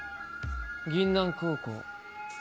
銀杏高校。